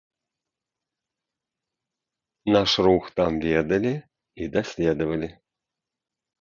Наш рух там ведалі і даследавалі.